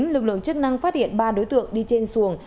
lực lượng chức năng phát hiện ba đối tượng đi trên xuồng